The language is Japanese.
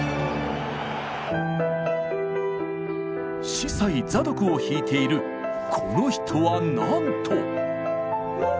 「司祭ザドク」を弾いているこの人はなんと！